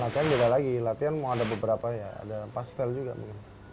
latihan juga lagi latihan mau ada beberapa ya ada empat setel juga mungkin